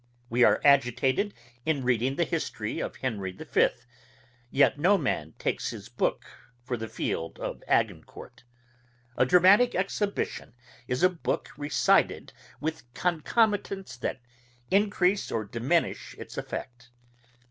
We are agitated in reading the history of Henry the Fifth, yet no man takes his book for the field of Agencourt. A dramatick exhibition is a book recited with concomitants that encrease or diminish its effect.